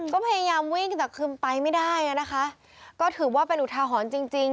ก็พยายามวิ่งแต่คือไปไม่ได้อ่ะนะคะก็ถือว่าเป็นอุทาหรณ์จริงจริง